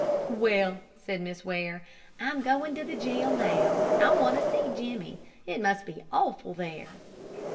"Well," said Miss Ware, "I'm going to the jail now. I want to see Jimmie. It must be awful there."